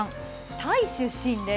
タイ出身です。